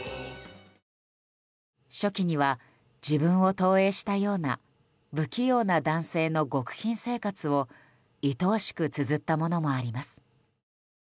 初期には自分を投影したような不器用な男性の極貧生活をいとおしくつづったものもあります。